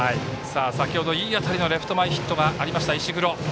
先程いい当たりのレフト前ヒットがあった石黒。